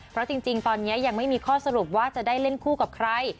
เพราะจริงตอนนี้ยังไม่มีข้อสรุปว่าจะได้เล่นคู่กับใคร